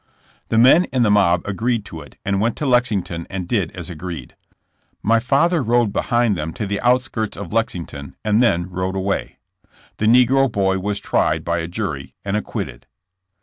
'' The men in the mob agreed to it and went to Lexington and did as agreed. My father rode be hind them to the outskirts of Lexington, and then rode away. The negro boy was tried by a jury and acquitted.